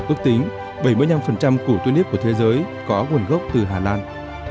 ước tính bảy mươi năm củ tulip của thế giới có nguồn gốc từ hà lan